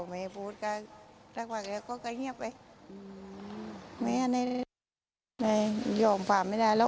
ไม่รู้จักเขาก็